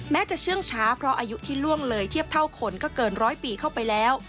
แม้จะเชื่องช้าเพราะอายุที่ล่วงเลยเทียบเท่าคนก็เกินร้อยปีเข้าไปแล้ว